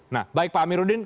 nah baik pak amiruddin